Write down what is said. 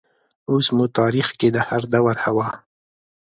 اوس مو تاریخ کې د هردور حوا